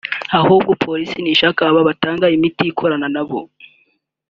ahubwo Police n’ishake abo batanga imiti ikorane nabo